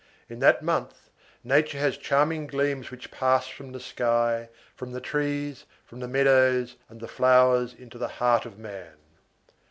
In that month, nature has charming gleams which pass from the sky, from the trees, from the meadows and the flowers into the heart of man.